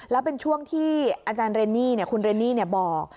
แล้วเป็นช่วงที่อาจารย์เรนนี่คุณเรนนี่บอก